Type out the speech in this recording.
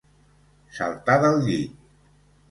Saltar del llit.